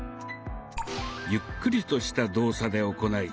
ゆっくりとした動作で行い